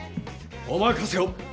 お任せを。